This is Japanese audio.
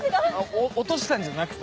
お落としたんじゃなくて？